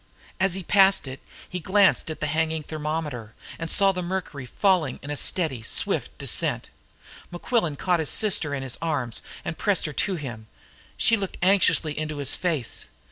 As he passed it he glanced at a hanging thermometer, and saw the mercury falling in a steady, swift descent. Mequillen caught his sister in his arms and pressed her to him. She looked anxiously into his face.